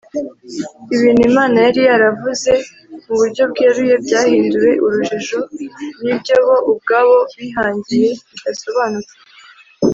ibintu imana yari yaravuze mu buryo bweruye byahinduwe urujijo n’ibyo bo ubwabo bihangiye bidasobanutse